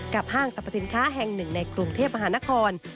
ห้างสรรพสินค้าแห่งหนึ่งในกรุงเทพมหานคร